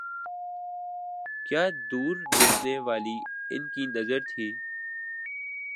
کیا دور دیکھنے والی ان کی نظر تھی۔